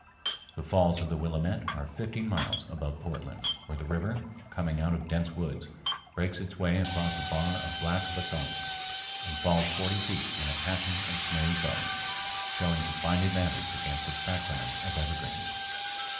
The Falls of the Willamette are fifteen miles above Portland, where the river, coming out of dense woods, breaks its way across a bar of black basalt and falls forty feet in a passion of snowy foam, showing to fine advantage against its background of evergreens.